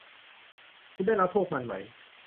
คุณได้รับพวกมันไหม